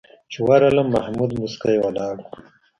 چې ورغلم محمود موسکی ولاړ و.